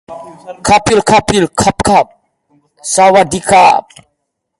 Kapil won his maiden and only Ranji Trophy championship.